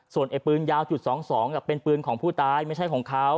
ส่วนไอ้ปืนยาวจุด๒๒เป็นปืนของผู้ตายไม่ใช่ของเขา